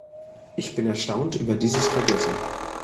Ich bin erstaunt über dieses Vergessen.